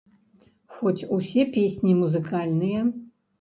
Хоць усе песні музыкальныя!